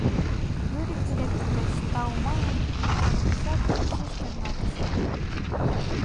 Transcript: Юрик директор деч, тау манын, савырнышат, изиш чарналтыш.